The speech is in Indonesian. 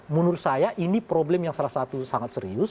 menurut saya ini problem yang salah satu sangat serius